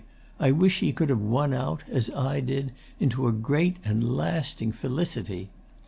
I wish he could have won out, as I did, into a great and lasting felicity.